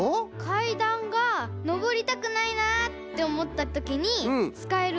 かいだんがのぼりたくないなっておもったときにつかえるね。